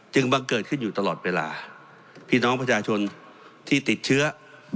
บังเกิดขึ้นอยู่ตลอดเวลาพี่น้องประชาชนที่ติดเชื้อ